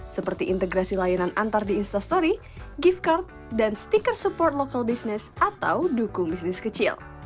seperti integrasi layanan antar di instastory gift card dan stiker support local business atau dukung bisnis kecil